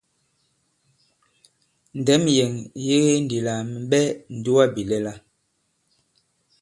Ndɛ̌m yɛ̀ŋ ì yege ndī lā mɛ̀ ɓɛ ǹdugabìlɛla.